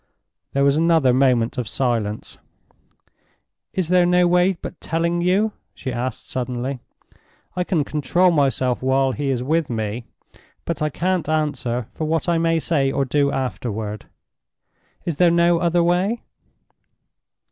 There was another moment of silence. "Is there no way but telling you?" she asked, suddenly. "I can control myself while he is with me, but I can't answer for what I may say or do afterward. Is there no other way?"